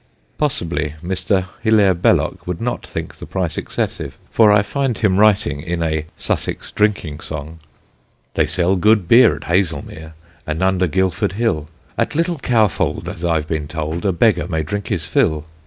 Possibly Mr. Hilaire Belloc would not think the price excessive, for I find him writing, in a "Sussex Drinking Song": They sell good beer at Haslemere And under Guildford Hill; At little Cowfold, as I've been told, A beggar may drink his fill.